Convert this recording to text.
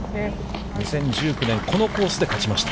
２０１９年、このコースで勝ちました。